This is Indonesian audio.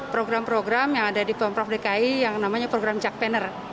program program yang ada di pemprov dki yang namanya program jakpener